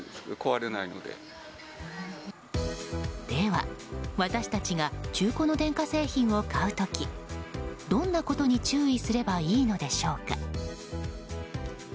では、私たちが中古の電化製品を買う時どんなことに注意すればいいのでしょうか？